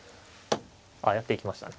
ああやっていきましたね。